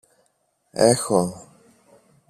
Έχω!